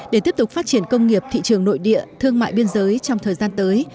để tiếp tục phát triển công nghiệp thị trường nội địa thương mại biên giới trong thời gian tới